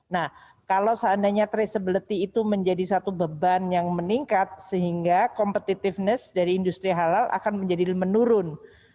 nah kalau seandainya traceability itu menjadi satu beban yang meningkat sehingga competitiveness dari industri halal akan menjadi menurun